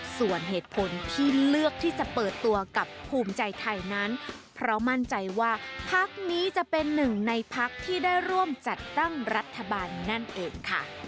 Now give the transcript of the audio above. ส่วนเหตุผลที่เลือกที่จะเปิดตัวกับภูมิใจไทยนั้นเพราะมั่นใจว่าพักนี้จะเป็นหนึ่งในพักที่ได้ร่วมจัดตั้งรัฐบาลนั่นเองค่ะ